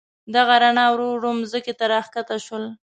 دغه رڼا ورو ورو مځکې ته راکښته شول.